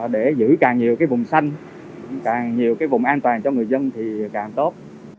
để giữ càng nhiều vùng xanh càng nhiều vùng an toàn cho người dân thì càng tốt